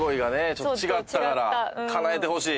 ちょっと違ったからかなえてほしい！」